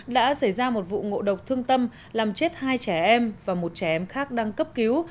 đã xảy ra một vụ ngộ độc thương tâm làm chết hai trẻ em và một trẻ em khác đang cấp cứu